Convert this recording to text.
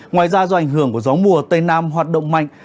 ngoài ra do ảnh hưởng của gió mùa tây nam hoạt động mạnh